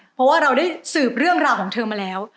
เพราะว่าเราได้สืบเรื่องราวของเธอมาแล้ว